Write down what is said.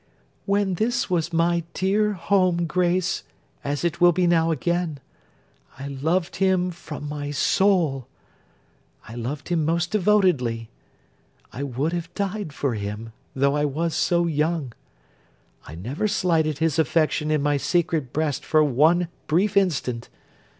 'When this was my dear home, Grace, as it will be now again, I loved him from my soul. I loved him most devotedly. I would have died for him, though I was so young. I never slighted his affection in my secret breast for one brief instant.